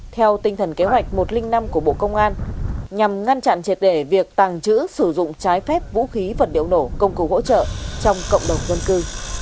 theo tinh thần kế hoạch một trăm linh năm của bộ công an nhằm ngăn chặn triệt để việc tàng trữ sử dụng trái phép vũ khí vật liệu nổ công cụ hỗ trợ trong cộng đồng dân cư